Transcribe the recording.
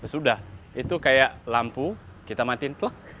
sudah itu kayak lampu kita matiin plak